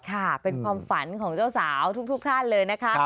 ค่ะเป็นความฝันของเจ้าสาวทุกท่านเลยนะคะ